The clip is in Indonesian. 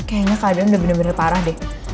kayaknya keadaan udah bener bener parah deh